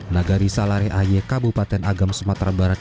nagari salare ay kabupaten agam sumatera barat